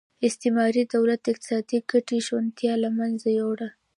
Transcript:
استعماري دولت د اقتصادي ګټې شونتیا له منځه یووړه.